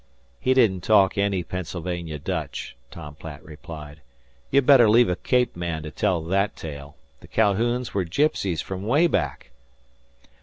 "He didn't talk any Pennsylvania Dutch," Tom Platt replied. "You'd better leave a Cape man to tell that tale. The Ca'houns was gypsies frum 'way back."